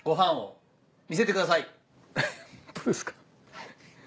はい。